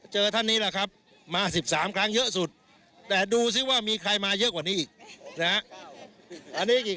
ท่านนี้แหละครับมา๑๓ครั้งเยอะสุดแต่ดูซิว่ามีใครมาเยอะกว่านี้อีกนะฮะ